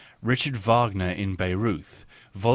Richard Wagner in Bayreuth , Vol.